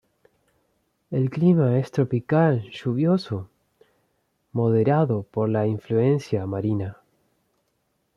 El clima es tropical lluvioso, moderado por la influencia marina.